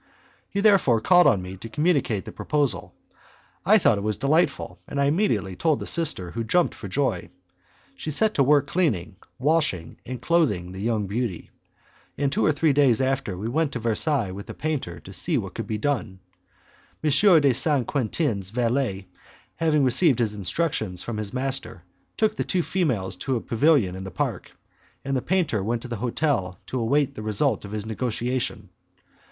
He therefore called on me to communicate the proposal; I thought it was delightful, and I immediately told the sister, who jumped for joy. She set to work cleaning, washing and clothing the young beauty, and two or three days after they went to Versailles with the painter to see what could be done. M. de St. Quentin's valet, having received his instructions from his master, took the two females to a pavilion in the park, and the painter went to the hotel to await the result of his negotiation.